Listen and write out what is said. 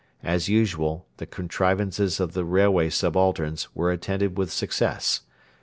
As usual, the contrivances of the railway subalterns were attended with success.